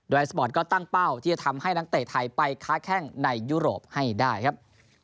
โดยสปอร์ตก็ตั้งเป้าที่จะทำให้นักเตะไทยไปค้าแข้งในยุโรปให้ได้ครับ